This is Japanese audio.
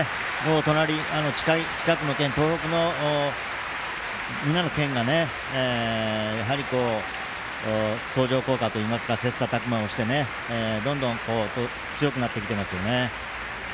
隣、近くの県、東北の県がやはり相乗効果といいますか切磋琢磨してどんどん強くなってきてますよね。